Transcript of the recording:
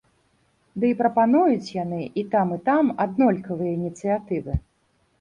Ды і прапануюць яны і там, і там аднолькавыя ініцыятывы.